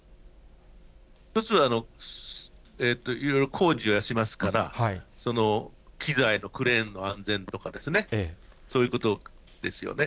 １つはいろいろ工事はしますから、その機材のクレーンの安全とか、そういうことですよね。